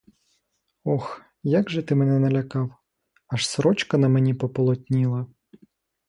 Ох, як же ти мене налякав, аж сорочка на мені пополотніла!